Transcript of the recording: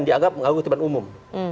dianggap menganggut pemberitahuan umum